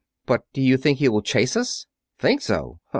"But do you think he will chase us?" "Think so?